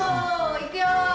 いくよ。